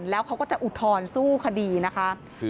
แล้วเขาก็จะอุทธรณ์สู้คดีนะคะ